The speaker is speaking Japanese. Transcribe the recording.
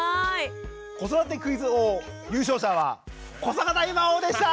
子育てクイズ王優勝者は古坂大魔王でした！